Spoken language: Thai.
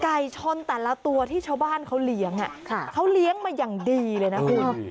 ชนแต่ละตัวที่ชาวบ้านเขาเลี้ยงเขาเลี้ยงมาอย่างดีเลยนะคุณ